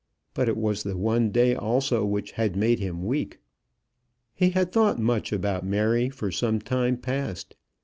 But it was the one day also which had made him weak. He had thought much about Mary for some time past.